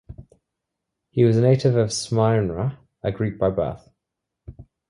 He was a native of Smyrna, a Greek by birth.